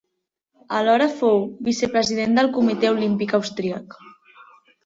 Alhora fou vicepresident del Comitè Olímpic Austríac.